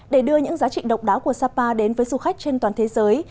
để đưa những giá trị độc đáo của sapa đến với du khách trên toàn thế giới